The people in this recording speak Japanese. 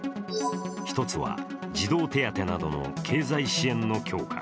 １つは、児童手当などの経済支援の強化。